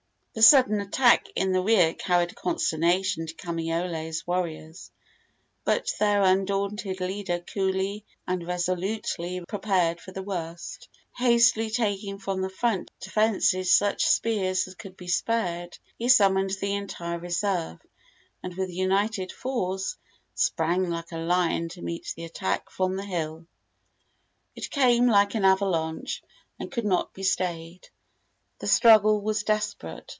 The sudden attack in the rear carried consternation to Kamaiole's warriors; but their undaunted leader coolly and resolutely prepared for the worst. Hastily taking from the front defences such spears as could be spared, he summoned the entire reserve, and with the united force sprang like a lion to meet the attack from the hill. It came like an avalanche and could not be stayed. The struggle was desperate.